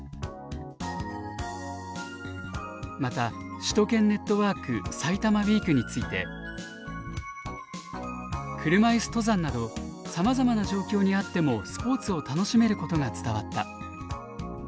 また首都圏ネットワーク「さいたまウィーク」について「車椅子登山などさまざまな状況にあってもスポーツを楽しめることが伝わった」